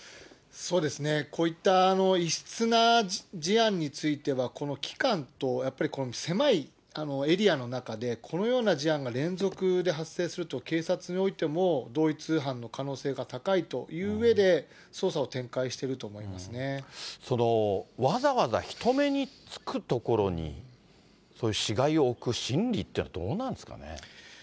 そうですね、こういった異質な事案については、この期間とやっぱりこの狭いエリアの中で、このような事案が連続で発生すると、警察においても同一犯の可能性が高いといううえで、その、わざわざ人目につく所に、そういう死骸を置く心理っていうのは、どうなんですかね。